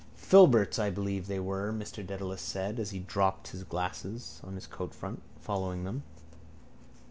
—Filberts I believe they were, Mr Dedalus said, as he dropped his glasses on his coatfront, following them.